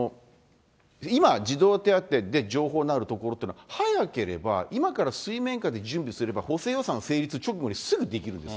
今、児童手当で情報のあるところとなると、早ければ、今から水面下で準備すれば、補正予算成立直後にすぐできるんです。